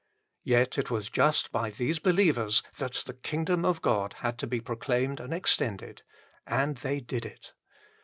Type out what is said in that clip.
1 Yet it was just by these believers that the kingdom of God had to be proclaimed and extended : and they did it.